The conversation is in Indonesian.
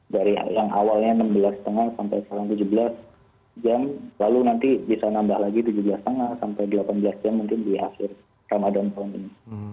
dari yang awalnya enam belas lima sampai sekarang tujuh belas jam lalu nanti bisa nambah lagi tujuh belas lima sampai delapan belas jam mungkin di akhir ramadan tahun ini